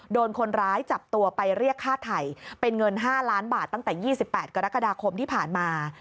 โดนคนร้ายจับตัวไปเรียกค่าไถ่เป็นเงิน๕ล้านบาทตั้งแต่๒๘กรกฎาคมที่ผ่านมา